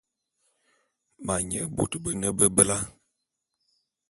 Ma nye bot bene bebela.